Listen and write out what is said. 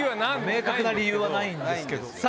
明確な理由はないんですけど。